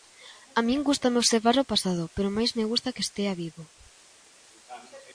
A min gústame observar o pasado, pero máis me gusta que estea vivo.